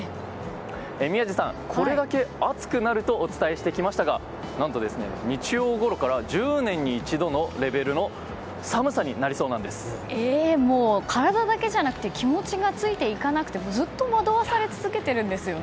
宮司さん、これだけ暑くなるとお伝えしてきましたが何と、日曜ごろから１０年に一度レベルのもう体だけじゃなくて気持ちがついていかなくてずっと惑わされ続けていますね。